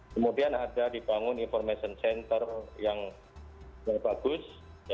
kemudian ada dibangun information center yang bagus